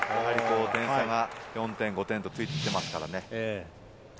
点差が４点、５点とついてきていますからね。